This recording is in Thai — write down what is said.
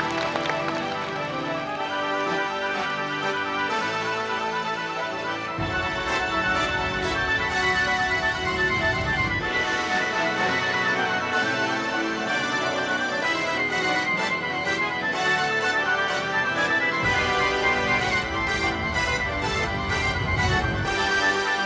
กรุงทอนหมู่เรียน